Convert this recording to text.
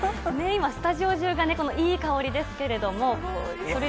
今、スタジオ中がいい香りですけれども。